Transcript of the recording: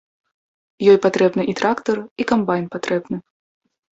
Ёй патрэбны і трактар, і камбайн патрэбны.